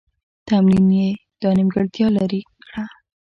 تمرین یې دا نیمګړتیا لیري کړه.